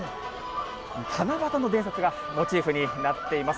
七夕の伝説がモチーフになっています。